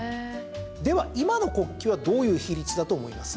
では、今の国旗はどういう比率だと思います？